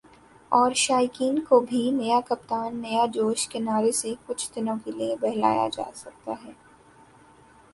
اور شائقین کو بھی "نیا کپتان ، نیا جوش" کے نعرے سے کچھ دنوں کے لیے بہلایا جاسکتا ہے ۔